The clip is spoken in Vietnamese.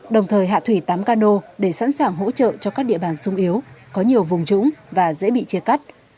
đồng thời hạ thủy tám cano để sẵn sàng hỗ trợ cho các địa bàn sung yếu có nhiều vùng trũng và dễ bị chia cắt